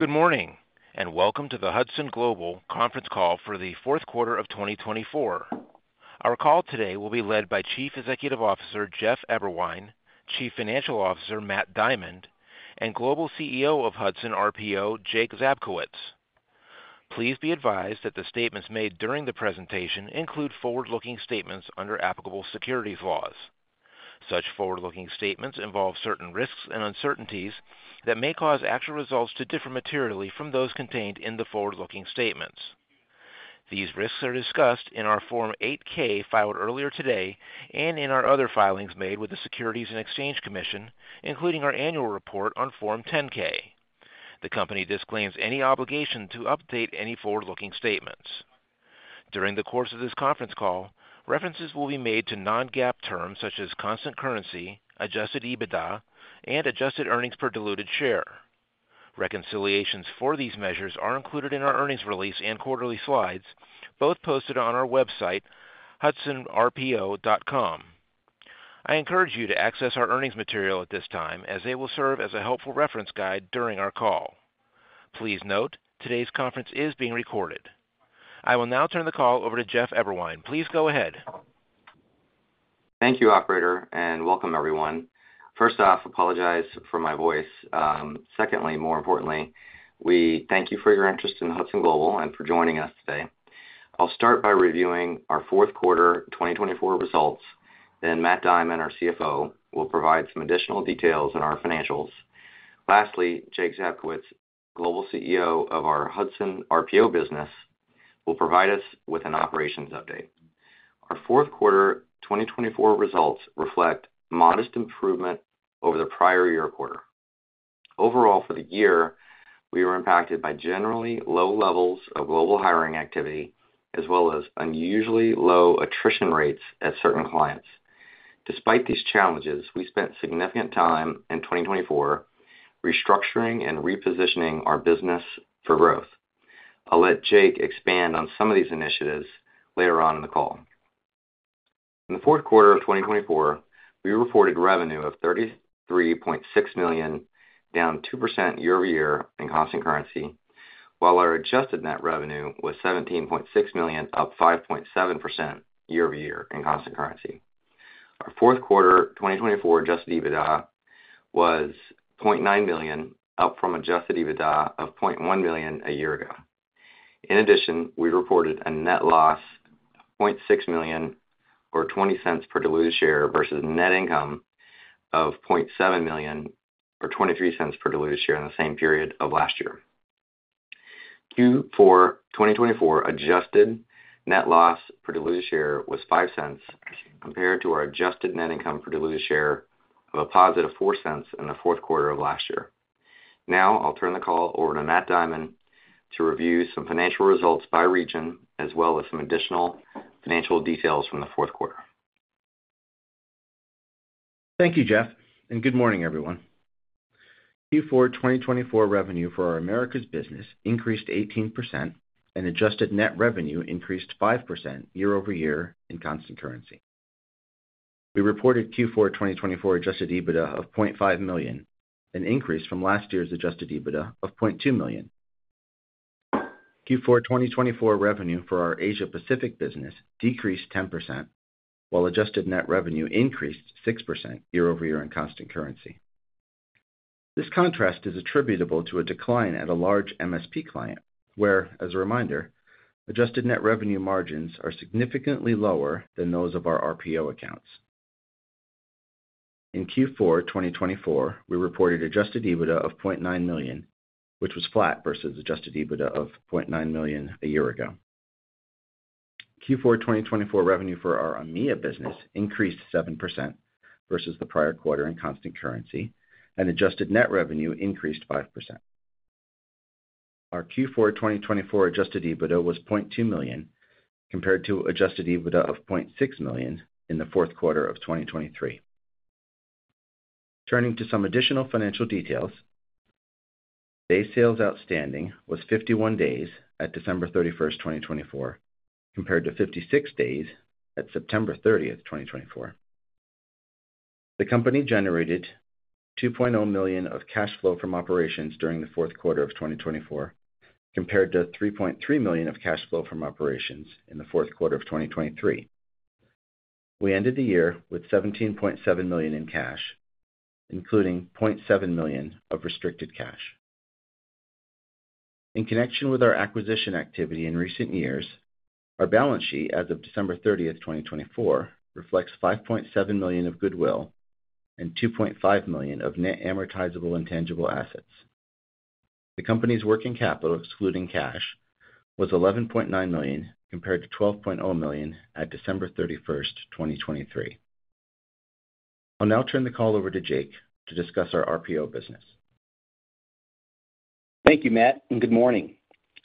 Good morning, and welcome to the Hudson Global conference call for the fourth quarter of 2024. Our call today will be led by Chief Executive Officer Jeff Eberwein, Chief Financial Officer Matt Diamond, and Global CEO of Star Equity Holdings, Jake Zabkowicz. Please be advised that the statements made during the presentation include forward-looking statements under applicable securities laws. Such forward-looking statements involve certain risks and uncertainties that may cause actual results to differ materially from those contained in the forward-looking statements. These risks are discussed in our Form 8-K filed earlier today and in our other filings made with the Securities and Exchange Commission, including our annual report on Form 10-K. The company disclaims any obligation to update any forward-looking statements. During the course of this conference call, references will be made to non-GAAP terms such as constant currency, adjusted EBITDA, and adjusted earnings per diluted share. Reconciliations for these measures are included in our earnings release and quarterly slides, both posted on our website, hudsonrpo.com. I encourage you to access our earnings material at this time, as they will serve as a helpful reference guide during our call. Please note, today's conference is being recorded. I will now turn the call over to Jeff Eberwein. Please go ahead. Thank you, Operator, and welcome, everyone. First off, apologize for my voice. Secondly, more importantly, we thank you for your interest in Star Equity Holdings and for joining us today. I'll start by reviewing our fourth quarter 2024 results. Then Matt Diamond, our CFO, will provide some additional details on our financials. Lastly, Jake Zabkowicz, Global CEO of our management team, will provide us with an operations update. Our fourth quarter 2024 results reflect modest improvement over the prior year quarter. Overall, for the year, we were impacted by generally low levels of global hiring activity, as well as unusually low attrition rates at certain clients. Despite these challenges, we spent significant time in 2024 restructuring and repositioning our business for growth. I'll let Jake expand on some of these initiatives later on in the call. In the fourth quarter of 2024, we reported revenue of $33.6 million, down 2% year-over-year in constant currency, while our adjusted net revenue was $17.6 million, up 5.7% year-over-year in constant currency. Our fourth quarter 2024 adjusted EBITDA was $0.9 million, up from adjusted EBITDA of $0.1 million a year ago. In addition, we reported a net loss of $0.6 million, or $0.20 per diluted share, versus net income of $0.7 million, or $0.23 per diluted share in the same period of last year. Q4 2024 adjusted net loss per diluted share was $0.05, compared to our adjusted net income per diluted share of a positive $0.04 in the fourth quarter of last year. Now, I'll turn the call over to Matt Diamond to review some financial results by region, as well as some additional financial details from the fourth quarter. Thank you, Jeff, and good morning, everyone. Q4 2024 revenue for our Americas business increased 18%, and adjusted net revenue increased 5% year-over-year in constant currency. We reported Q4 2024 adjusted EBITDA of $0.5 million, an increase from last year's adjusted EBITDA of $0.2 million. Q4 2024 revenue for our Asia-Pacific business decreased 10%, while adjusted net revenue increased 6% year-over-year in constant currency. This contrast is attributable to a decline at a large MSP client, where, as a reminder, adjusted net revenue margins are significantly lower than those of our RPO accounts. In Q4 2024, we reported adjusted EBITDA of $0.9 million, which was flat versus adjusted EBITDA of $0.9 million a year ago. Q4 2024 revenue for our EMEA business increased 7% versus the prior quarter in constant currency, and adjusted net revenue increased 5%. Our Q4 2024 adjusted EBITDA was $0.2 million, compared to adjusted EBITDA of $0.6 million in the fourth quarter of 2023. Turning to some additional financial details, day sales outstanding was 51 days at December 31, 2024, compared to 56 days at September 30, 2024. The company generated $2.0 million of cash flow from operations during the fourth quarter of 2024, compared to $3.3 million of cash flow from operations in the fourth quarter of 2023. We ended the year with $17.7 million in cash, including $0.7 million of restricted cash. In connection with our acquisition activity in recent years, our balance sheet as of December 31, 2024, reflects $5.7 million of goodwill and $2.5 million of net amortizable intangible assets. The company's working capital, excluding cash, was $11.9 million, compared to $12.0 million at December 31, 2023. I'll now turn the call over to Jake to discuss our RPO business. Thank you, Matt, and good morning.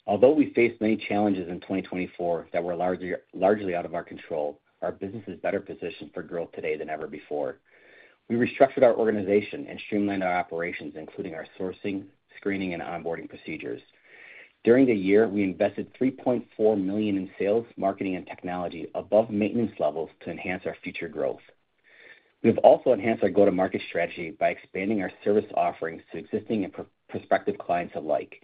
Although we faced many challenges in 2024 that were largely out of our control, our business is better positioned for growth today than ever before. We restructured our organization and streamlined our operations, including our sourcing, screening, and onboarding procedures. During the year, we invested $3.4 million in sales, marketing, and technology above maintenance levels to enhance our future growth. We have also enhanced our go-to-market strategy by expanding our service offerings to existing and prospective clients alike.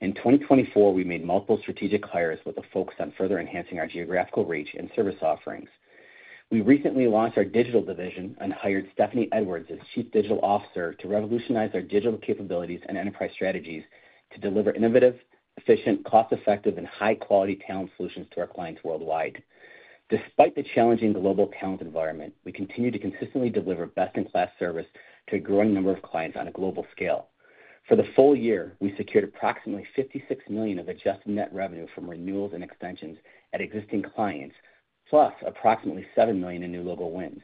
In 2024, we made multiple strategic hires with a focus on further enhancing our geographical reach and service offerings. We recently launched our digital division and hired Stephanie Edwards as Chief Digital Officer to revolutionize our digital capabilities and enterprise strategies to deliver innovative, efficient, cost-effective, and high-quality talent solutions to our clients worldwide. Despite the challenging global talent environment, we continue to consistently deliver best-in-class service to a growing number of clients on a global scale. For the full year, we secured approximately $56 million of adjusted net revenue from renewals and extensions at existing clients, plus approximately $7 million in new local wins.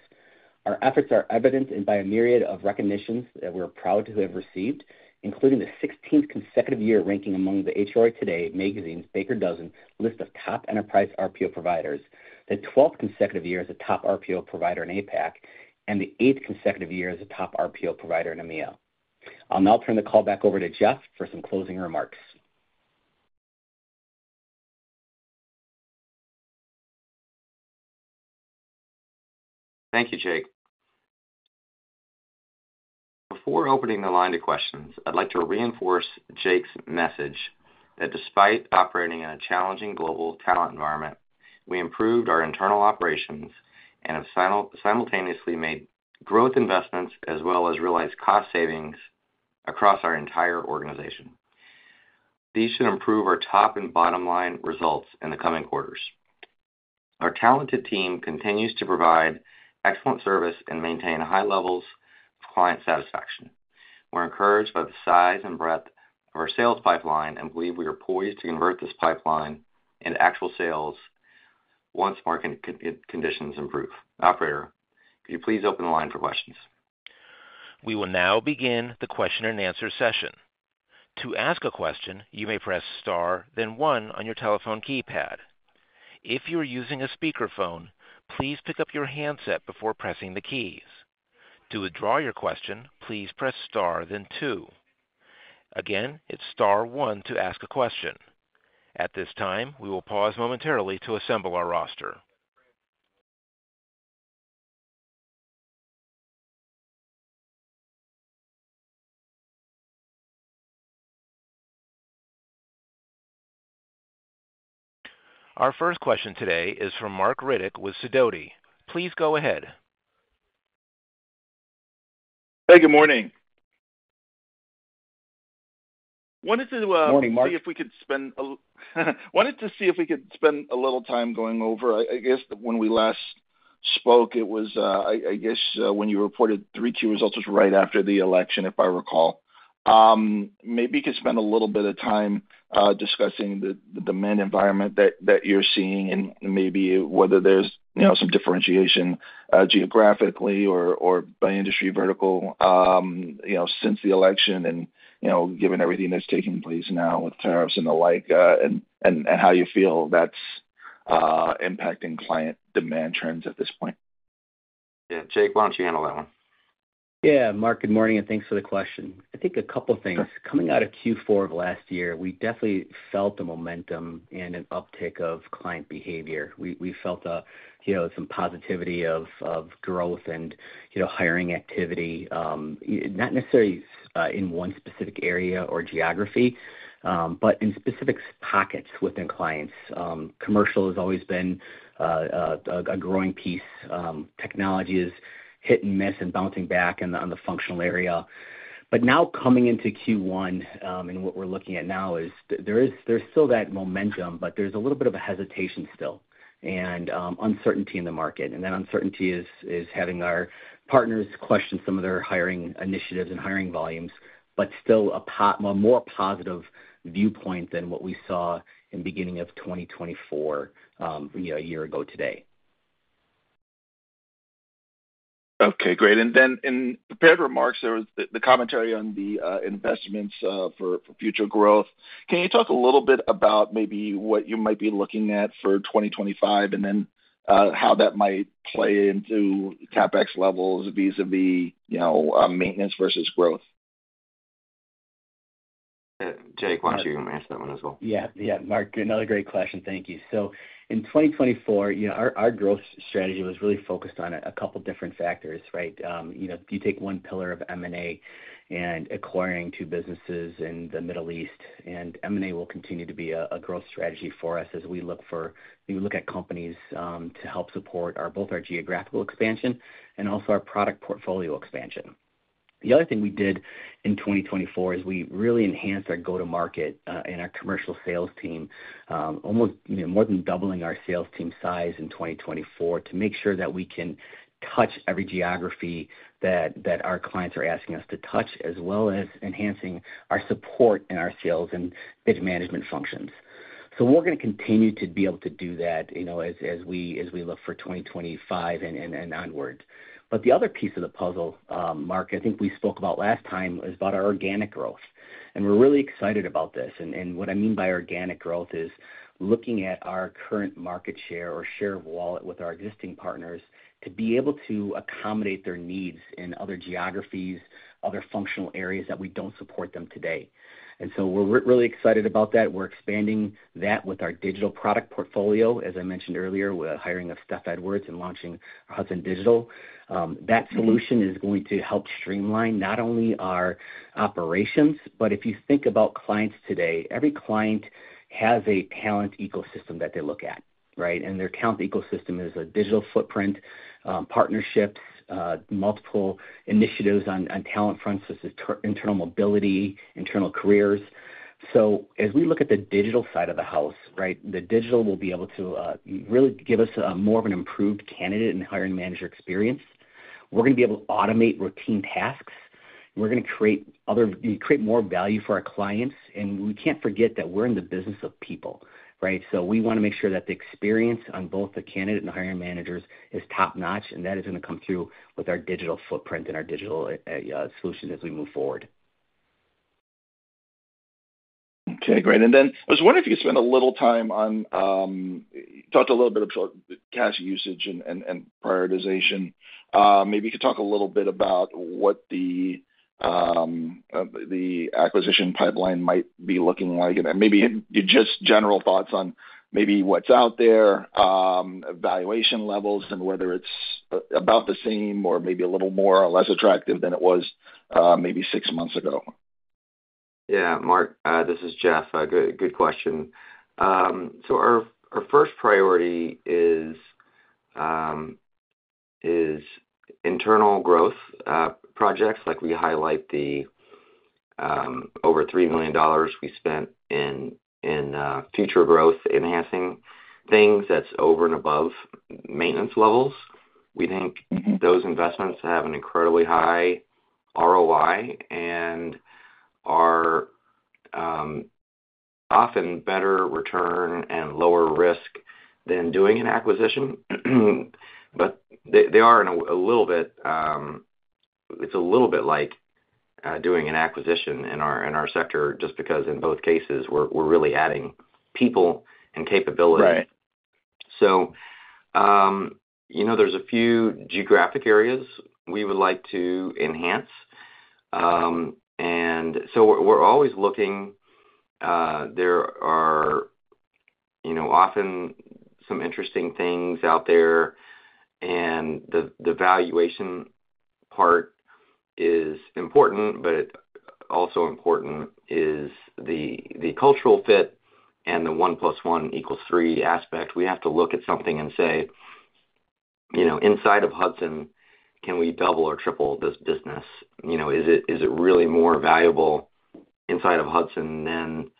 Our efforts are evident by a myriad of recognitions that we're proud to have received, including the 16th consecutive year ranking among the HRO Today magazine's Baker's Dozen list of top enterprise RPO providers, the 12th consecutive year as a top RPO provider in Asia-Pacific, and the 8th consecutive year as a top RPO provider in AMEA. I'll now turn the call back over to Jeff for some closing remarks. Thank you, Jake. Before opening the line to questions, I'd like to reinforce Jake's message that despite operating in a challenging global talent environment, we improved our internal operations and have simultaneously made growth investments as well as realized cost savings across our entire organization. These should improve our top and bottom line results in the coming quarters. Our talented team continues to provide excellent service and maintain high levels of client satisfaction. We're encouraged by the size and breadth of our sales pipeline and believe we are poised to convert this pipeline into actual sales once marketing conditions improve. Operator, could you please open the line for questions? We will now begin the question and answer session. To ask a question, you may press Star, then 1 on your telephone keypad. If you're using a speakerphone, please pick up your handset before pressing the keys. To withdraw your question, please press Star, then 2. Again, it's Star, 1 to ask a question. At this time, we will pause momentarily to assemble our roster. Our first question today is from Mark Riddick with Sidoti & Co. Please go ahead. Hey, good morning. Wanted to see if we could spend a little time going over, I guess, when we last spoke, it was, I guess, when you reported three key results was right after the election, if I recall. Maybe you could spend a little bit of time discussing the demand environment that you're seeing and maybe whether there's some differentiation geographically or by industry vertical since the election and given everything that's taking place now with tariffs and the like and how you feel that's impacting client demand trends at this point. Yeah. Jake, why don't you handle that one? Yeah. Marc, good morning, and thanks for the question. I think a couple of things. Coming out of Q4 of last year, we definitely felt a momentum and an uptick of client behavior. We felt some positivity of growth and hiring activity, not necessarily in one specific area or geography, but in specific pockets within clients. Commercial has always been a growing piece. Technology is hit and miss and bouncing back on the functional area. Now coming into Q1, and what we're looking at now is there's still that momentum, but there's a little bit of a hesitation still and uncertainty in the market. That uncertainty is having our partners question some of their hiring initiatives and hiring volumes, but still a more positive viewpoint than what we saw in the beginning of 2024, a year ago today. Okay. Great. In prepared remarks, there was the commentary on the investments for future growth. Can you talk a little bit about maybe what you might be looking at for 2025 and then how that might play into CapEx levels vis-à-vis maintenance versus growth? Jake, why don't you answer that one as well? Yeah. Yeah. Marc, another great question. Thank you. In 2024, our growth strategy was really focused on a couple of different factors, right? You take one pillar of M&A and acquiring two businesses in the Middle East, and M&A will continue to be a growth strategy for us as we look at companies to help support both our geographical expansion and also our product portfolio expansion. The other thing we did in 2024 is we really enhanced our go-to-market and our commercial sales team, almost more than doubling our sales team size in 2024 to make sure that we can touch every geography that our clients are asking us to touch, as well as enhancing our support and our sales and bid management functions. We are going to continue to be able to do that as we look for 2025 and onward. The other piece of the puzzle, Marc, I think we spoke about last time, is about our organic growth. We're really excited about this. What I mean by organic growth is looking at our current market share or share of wallet with our existing partners to be able to accommodate their needs in other geographies, other functional areas that we do not support them today. We're really excited about that. We're expanding that with our digital product portfolio, as I mentioned earlier, with hiring of Steph Edwards and launching Hudson Digital. That solution is going to help streamline not only our operations, but if you think about clients today, every client has a talent ecosystem that they look at, right? Their talent ecosystem is a digital footprint, partnerships, multiple initiatives on talent fronts such as internal mobility, internal careers. As we look at the digital side of the house, right, the digital will be able to really give us more of an improved candidate and hiring manager experience. We're going to be able to automate routine tasks. We're going to create more value for our clients. We can't forget that we're in the business of people, right? We want to make sure that the experience on both the candidate and hiring managers is top-notch, and that is going to come through with our digital footprint and our digital solutions as we move forward. Okay. Great. I was wondering if you could spend a little time on—talked a little bit about cash usage and prioritization. Maybe you could talk a little bit about what the acquisition pipeline might be looking like, and maybe just general thoughts on maybe what's out there, valuation levels, and whether it's about the same or maybe a little more or less attractive than it was maybe six months ago. Yeah. Marc, this is Jeff. Good question. Our first priority is internal growth projects. We highlight the over $3 million we spent in future growth, enhancing things that is over and above maintenance levels. We think those investments have an incredibly high ROI and are often better return and lower risk than doing an acquisition. They are a little bit like doing an acquisition in our sector just because in both cases, we are really adding people and capability. There are a few geographic areas we would like to enhance. We are always looking. There are often some interesting things out there, and the valuation part is important, but also important is the cultural fit and the one plus one equals three aspect. We have to look at something and say, "Inside of Hudson, can we double or triple this business? Is it really more valuable inside of Hudson than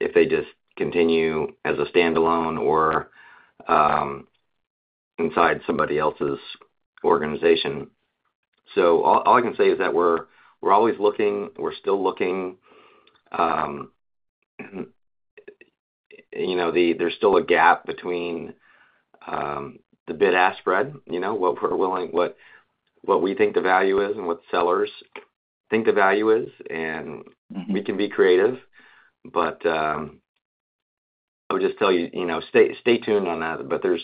if they just continue as a standalone or inside somebody else's organization? All I can say is that we're always looking. We're still looking. There's still a gap between the bid-ask spread, what we're willing, what we think the value is, and what sellers think the value is. We can be creative, but I would just tell you, stay tuned on that. There's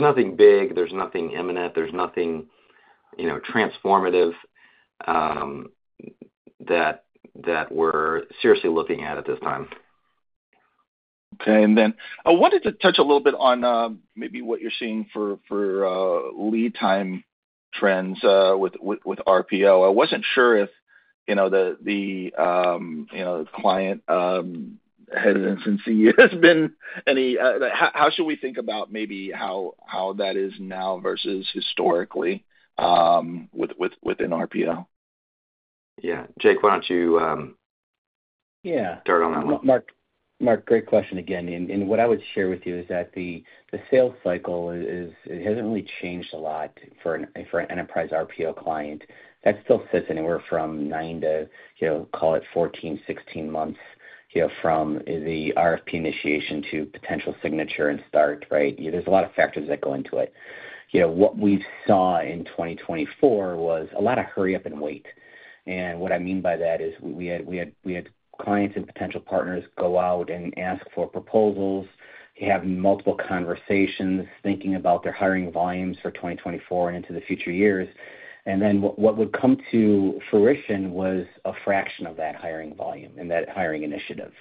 nothing big. There's nothing imminent. There's nothing transformative that we're seriously looking at at this time. Okay. I wanted to touch a little bit on maybe what you're seeing for lead time trends with RPO. I wasn't sure if the client hesitancy has been any—how should we think about maybe how that is now versus historically within RPO? Yeah. Jake, why don't you start on that one? Yeah. Marc, great question again. What I would share with you is that the sales cycle, it hasn't really changed a lot for an enterprise RPO client. That still sits anywhere from 9 to, call it, 14-16 months from the RFP initiation to potential signature and start, right? There are a lot of factors that go into it. What we saw in 2024 was a lot of hurry up and wait. What I mean by that is we had clients and potential partners go out and ask for proposals. They have multiple conversations thinking about their hiring volumes for 2024 and into the future years. What would come to fruition was a fraction of that hiring volume and that hiring initiative.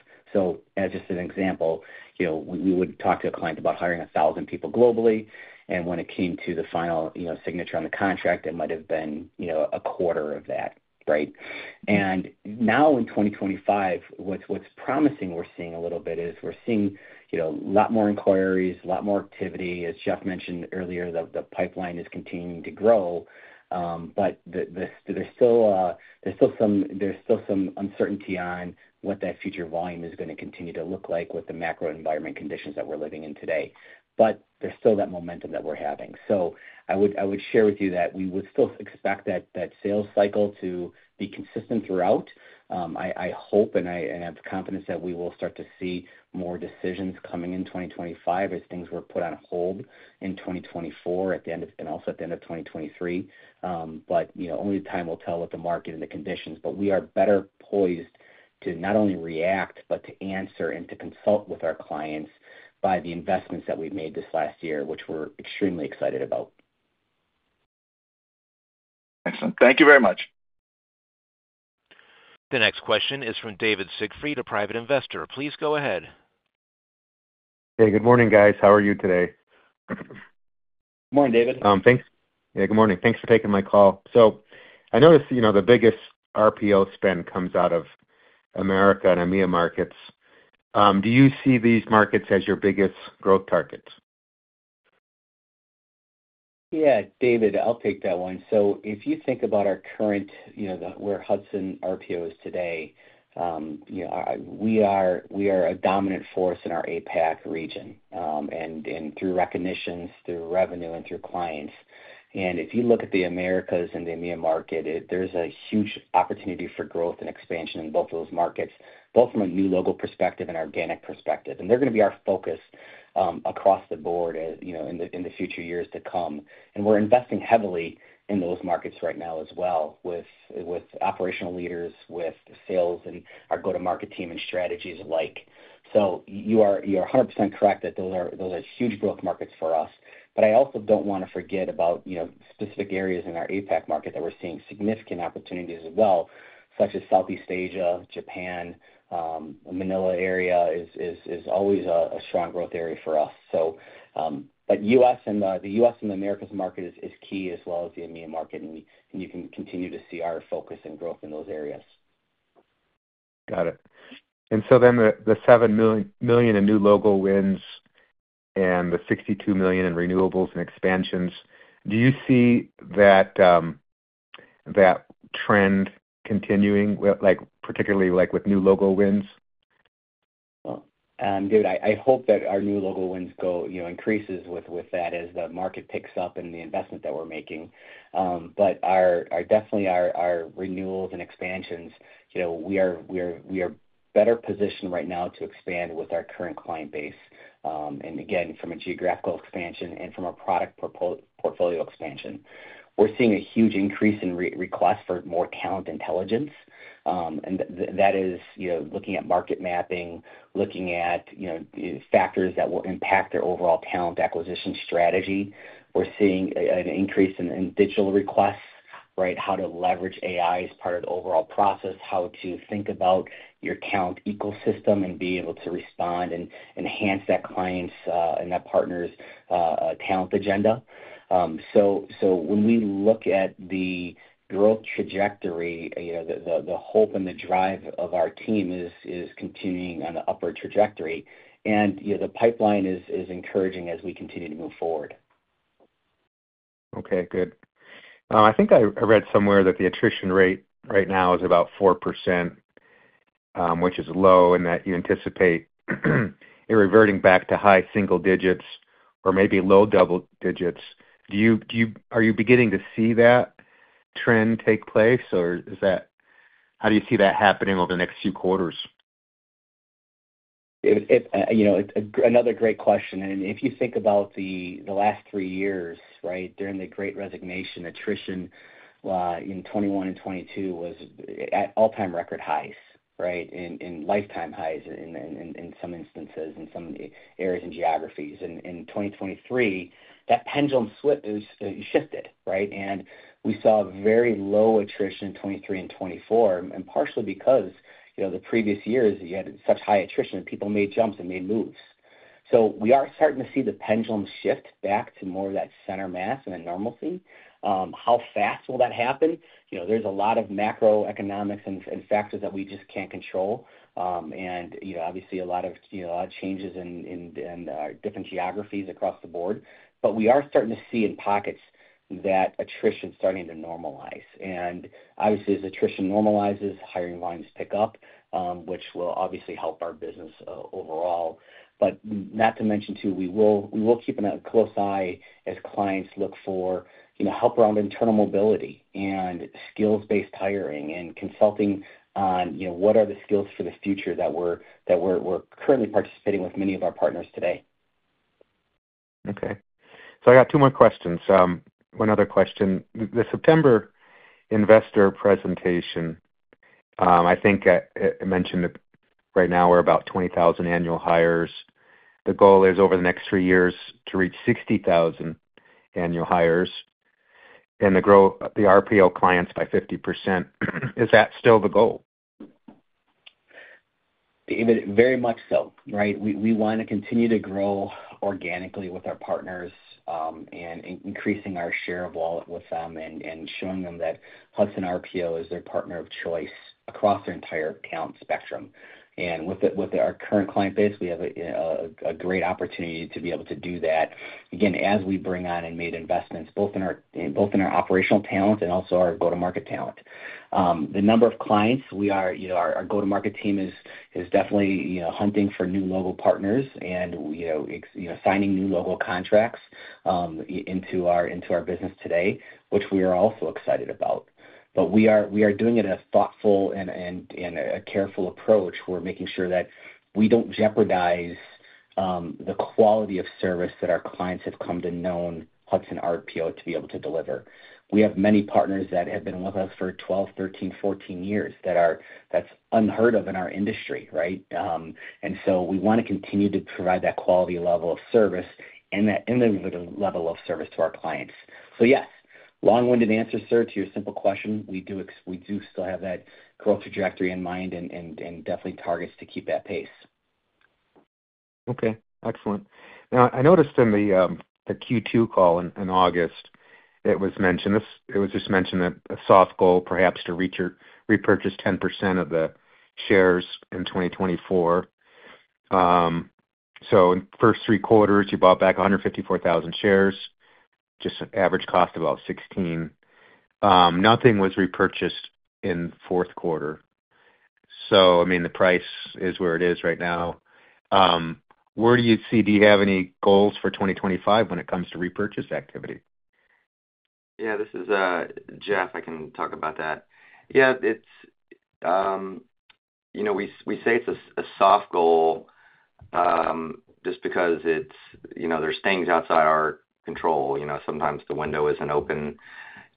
As just an example, we would talk to a client about hiring 1,000 people globally. When it came to the final signature on the contract, it might have been a quarter of that, right? In 2025, what's promising we're seeing a little bit is we're seeing a lot more inquiries, a lot more activity. As Jeff mentioned earlier, the pipeline is continuing to grow, but there's still some uncertainty on what that future volume is going to continue to look like with the macro environment conditions that we're living in today. There's still that momentum that we're having. I would share with you that we would still expect that sales cycle to be consistent throughout. I hope and I have confidence that we will start to see more decisions coming in 2025 as things were put on hold in 2024 and also at the end of 2023. Only time will tell what the market and the conditions. We are better poised to not only react, but to answer and to consult with our clients by the investments that we've made this last year, which we're extremely excited about. Excellent. Thank you very much. The next question is from David Siegfried, a private investor. Please go ahead. Hey, good morning, guys. How are you today? Good morning, David. Thanks. Yeah, good morning. Thanks for taking my call. I noticed the biggest RPO spend comes out of Americas and EMEA markets. Do you see these markets as your biggest growth targets? Yeah, David, I'll take that one. If you think about our current, where Hudson RPO is today, we are a dominant force in our APAC region and through recognitions, through revenue, and through clients. If you look at the Americas and the EMEA market, there's a huge opportunity for growth and expansion in both of those markets, both from a new local perspective and organic perspective. They are going to be our focus across the board in the future years to come. We are investing heavily in those markets right now as well with operational leaders, with sales and our go-to-market team and strategies alike. You are 100% correct that those are huge growth markets for us. I also don't want to forget about specific areas in our APAC market that we're seeing significant opportunities as well, such as Southeast Asia, Japan. The Manila area is always a strong growth area for us. The US and the Americas market is key as well as the EMEA market. You can continue to see our focus and growth in those areas. Got it. And so then the $7 million in new local wins and the $62 million in renewals and expansions, do you see that trend continuing, particularly with new local wins? David, I hope that our new local wins increase with that as the market picks up and the investment that we're making. Definitely our renewals and expansions, we are better positioned right now to expand with our current client base. Again, from a geographical expansion and from our product portfolio expansion. We're seeing a huge increase in requests for more talent intelligence. That is looking at market mapping, looking at factors that will impact their overall talent acquisition strategy. We're seeing an increase in digital requests, right? How to leverage AI as part of the overall process, how to think about your talent ecosystem and be able to respond and enhance that client's and that partner's talent agenda. When we look at the growth trajectory, the hope and the drive of our team is continuing on the upward trajectory. The pipeline is encouraging as we continue to move forward. Okay. Good. I think I read somewhere that the attrition rate right now is about 4%, which is low, and that you anticipate it reverting back to high single digits or maybe low double digits. Are you beginning to see that trend take place, or how do you see that happening over the next few quarters? Another great question. If you think about the last three years, right, during the great resignation, attrition in 2021 and 2022 was at all-time record highs, right, and lifetime highs in some instances in some areas and geographies. In 2023, that pendulum shifted, right? We saw very low attrition in 2023 and 2024, and partially because the previous years, you had such high attrition, people made jumps and made moves. We are starting to see the pendulum shift back to more of that center mass and that normalcy. How fast will that happen? There is a lot of macroeconomics and factors that we just cannot control. Obviously, a lot of changes in different geographies across the board. We are starting to see in pockets that attrition is starting to normalize. Obviously, as attrition normalizes, hiring volumes pick up, which will obviously help our business overall. Not to mention, too, we will keep a close eye as clients look for help around internal mobility and skills-based hiring and consulting on what are the skills for the future that we're currently participating with many of our partners today. Okay. I got two more questions. One other question. The September investor presentation, I think I mentioned right now we're about 20,000 annual hires. The goal is over the next three years to reach 60,000 annual hires and the RPO clients by 50%. Is that still the goal? David, very much so, right? We want to continue to grow organically with our partners and increasing our share of wallet with them and showing them that Hudson RPO is their partner of choice across their entire talent spectrum. With our current client base, we have a great opportunity to be able to do that. Again, as we bring on and made investments both in our operational talent and also our go-to-market talent. The number of clients, our go-to-market team is definitely hunting for new local partners and signing new local contracts into our business today, which we are also excited about. We are doing it in a thoughtful and a careful approach. We are making sure that we do not jeopardize the quality of service that our clients have come to know in Hudson RPO to be able to deliver. We have many partners that have been with us for 12, 13, 14 years. That is unheard of in our industry, right? We want to continue to provide that quality level of service and the level of service to our clients. Yes, long-winded answer, sir, to your simple question. We do still have that growth trajectory in mind and definitely targets to keep that pace. Okay. Excellent. Now, I noticed in the Q2 call in August, it was mentioned that it was just mentioned that a soft goal perhaps to repurchase 10% of the shares in 2024. In the first three quarters, you bought back 154,000 shares, just an average cost of about $16. Nothing was repurchased in the fourth quarter. I mean, the price is where it is right now. Where do you see? Do you have any goals for 2025 when it comes to repurchase activity? Yeah, this is Jeff. I can talk about that. Yeah, we say it's a soft goal just because there's things outside our control. Sometimes the window isn't open.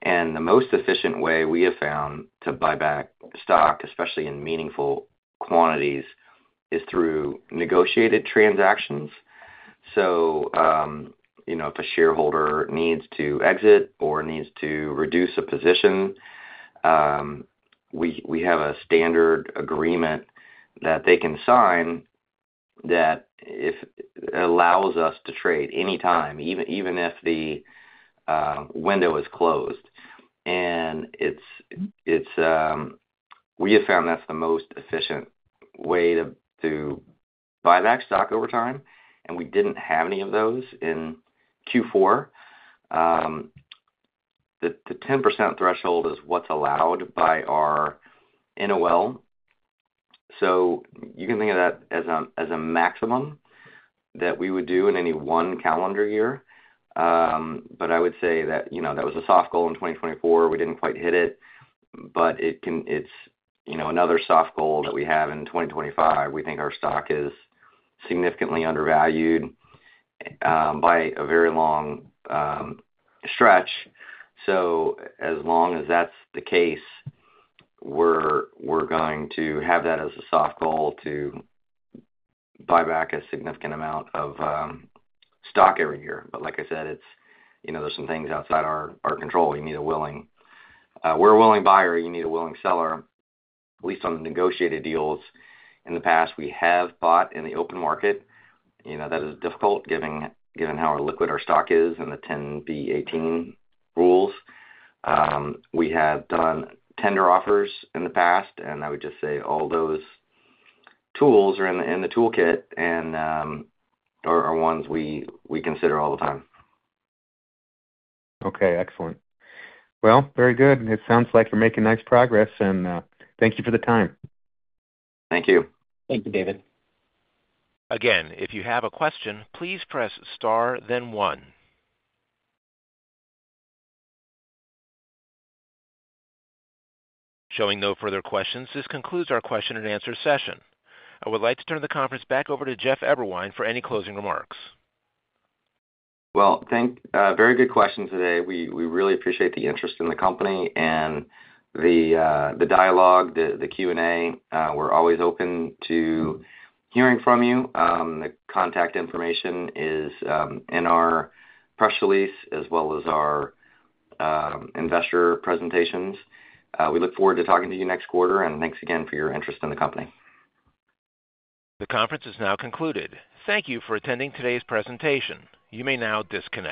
The most efficient way we have found to buy back stock, especially in meaningful quantities, is through negotiated transactions. If a shareholder needs to exit or needs to reduce a position, we have a standard agreement that they can sign that allows us to trade anytime, even if the window is closed. We have found that's the most efficient way to buy back stock over time. We didn't have any of those in Q4. The 10% threshold is what's allowed by our NOL. You can think of that as a maximum that we would do in any one calendar year. I would say that that was a soft goal in 2024. We didn't quite hit it. It is another soft goal that we have in 2025. We think our stock is significantly undervalued by a very long stretch. As long as that is the case, we are going to have that as a soft goal to buy back a significant amount of stock every year. Like I said, there are some things outside our control. You need a willing buyer, you need a willing seller, at least on the negotiated deals. In the past, we have bought in the open market. That is difficult given how liquid our stock is and the 10b-18 rules. We have done tender offers in the past. I would just say all those tools are in the toolkit and are ones we consider all the time. Okay. Excellent. Very good. It sounds like you're making nice progress. Thank you for the time. Thank you. Thank you, David. Again, if you have a question, please press star, then one. Showing no further questions, this concludes our question and answer session. I would like to turn the conference back over to Jeff Eberwein for any closing remarks. Very good questions today. We really appreciate the interest in the company and the dialogue, the Q&A. We're always open to hearing from you. The contact information is in our press release as well as our investor presentations. We look forward to talking to you next quarter. Thanks again for your interest in the company. The conference is now concluded. Thank you for attending today's presentation. You may now disconnect.